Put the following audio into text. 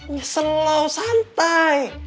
nyesel loh santai